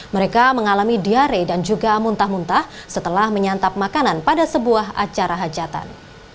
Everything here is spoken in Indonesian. mereka mengalami diare dan juga muntah muntah setelah menyantap makanan pada sebuah acara hajatan